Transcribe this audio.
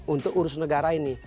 untuk urus negara ini